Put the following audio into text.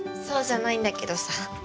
そうじゃないんだけどさ。